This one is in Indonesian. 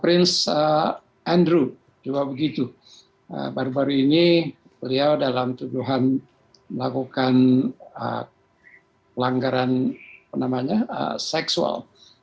itu juga begitu baru baru ini beliau dalam tuduhan melakukan pelanggaran apa namanya seksual